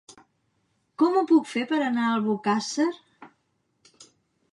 Com ho puc fer per anar a Albocàsser?